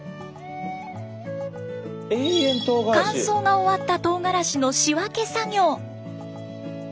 乾燥が終わったとうがらしの仕分け作業。